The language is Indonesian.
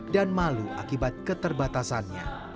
dan malu akibat keterbatasannya